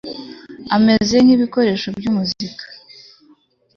ameze nk ibikoresho by umuzika